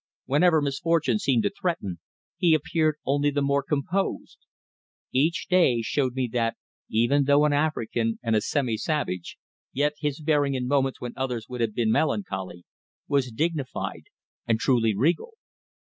Whenever misfortune seemed to threaten he appeared only the more composed. Each day showed me that, even though an African and a semi savage, yet his bearing in moments when others would have been melancholy, was dignified and truly regal.